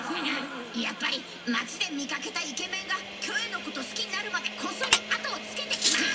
やっぱり街で見かけたイケメンがキョエのこと好きになるまでこっそり後をつけてきます！